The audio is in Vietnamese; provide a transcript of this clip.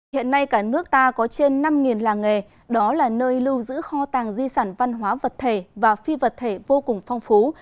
hiện nay cả nước ta có trên năm làng nghề đó là nơi lưu giữ kho tàng di sản văn hóa vật thể và phi vật thể vô cùng phong phú